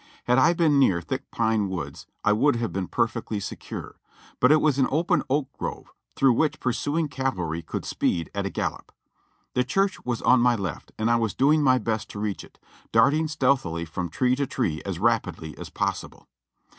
Had I been near thick pine woods I would have been perfectly secure, but it was an open oak grove, through which pursuing cavalry could speed at a gallop. The church was on my left and I was doing my best to reach it, darting stealthily from tree to tree as rapidly as possible.